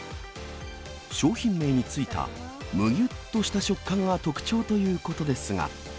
商品名に付いたむぎゅっとした食感が特徴ということですが。